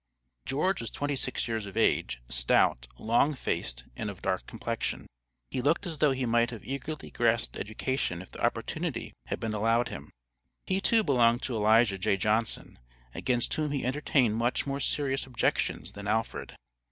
George was twenty six years of age, stout, long faced, and of dark complexion. He looked as though he might have eagerly grasped education if the opportunity had been allowed him. He too belonged to Elijah J. Johnson, against whom he entertained much more serious objections than Alfred.